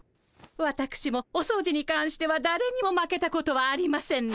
わたくしもお掃除にかんしてはだれにも負けたことはありませんの。